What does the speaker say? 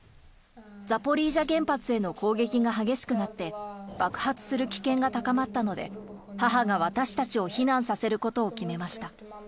ザポリージャ原発への攻撃が激しくなって、爆発する危険が高まったので、母が私たちを避難させることを決めました。